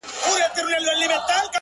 او ته خبر د کوم غریب د کور له حاله یې-